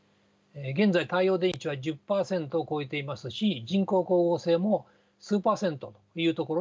現在太陽電池は１０％を超えていますし人工光合成も数％というところに来ています。